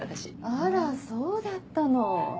あらそうだったの。